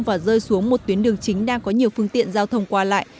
và rơi xuống một tuyến đường chính đang có nhiều phương tiện giao thông qua lại